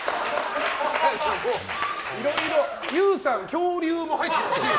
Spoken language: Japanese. いろいろ、ＹＯＵさん恐竜も入ってたし。